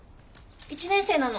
１年生なの。